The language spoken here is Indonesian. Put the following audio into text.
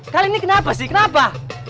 kali ini kenapa sih kenapa